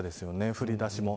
降り出しも。